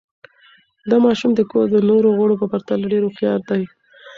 دا ماشوم د کور د نورو غړو په پرتله ډېر هوښیار دی.